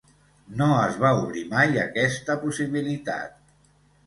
No es va obrir mai aquesta possibilitat.